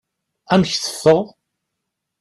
Amek teffeɣ?